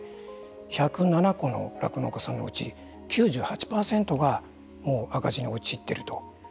１０７戸の酪農家さんのうち９８％がもう赤字に陥っていると。